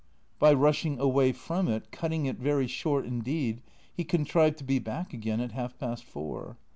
By rushing away from it, cutting it very short indeed, he contrived to be back again at half past four.